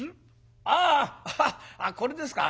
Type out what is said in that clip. ああこれですか。